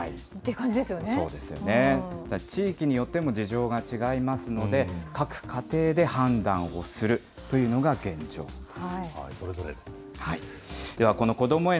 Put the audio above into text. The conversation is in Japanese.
やっぱり地域によっても事情が違いますので、各家庭で判断をするというのが現状です。